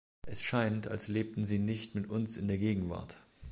Es scheint, als lebten sie nicht mit uns in der Gegenwart.